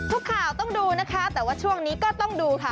ข่าวต้องดูนะคะแต่ว่าช่วงนี้ก็ต้องดูค่ะ